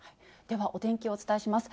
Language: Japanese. ではお天気をお伝えします。